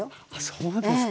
そうですか。